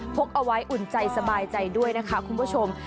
กเอาไว้อุ่นใจสบายใจด้วยนะคะคุณผู้ชม